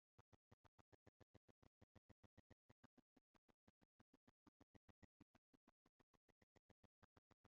Ububasha bwo kunga abafitanye ibibazo bikomoka ku cyaha